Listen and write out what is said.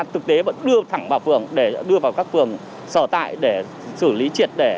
thực tế vẫn đưa thẳng vào phường đưa vào các phường sở tại để xử lý triệt để